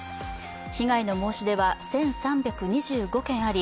被害の申し出は１３２５件あり